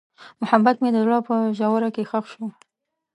محبت مې د زړه په ژوره کې ښخ شو.